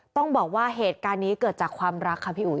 ต้องบอกว่าเหตุการณ์นี้เกิดจากความรักค่ะพี่อุ๋